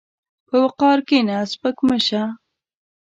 په وقار کښېنه، سپک مه شه.